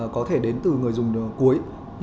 có thể đến từ người dùng cuối